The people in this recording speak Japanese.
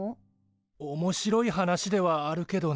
おもしろい話ではあるけどね。